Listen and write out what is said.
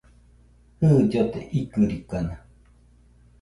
Jɨ, llote ikɨrikana